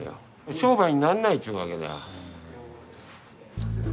商売になんないっちゅうわけだ。